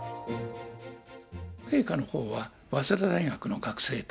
陛下のほうは、早稲田大学の学生と。